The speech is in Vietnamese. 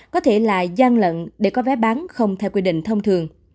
có thể là gian lận để có vé bán không theo quy định thông thường